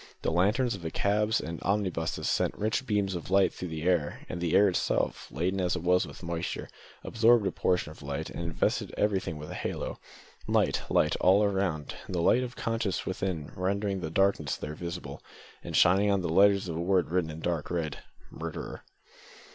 The lanterns of the cabs and omnibuses sent rich beams of light through the air, and the air itself, laden as it was with moisture, absorbed a portion of light, and invested everything with a halo. Light, light! all round, and the light of conscience within rendering the darkness there visible, and shining on the letters of a word written in dark red "Murderer!"